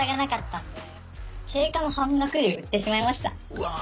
うわ。